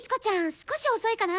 少し遅いかな。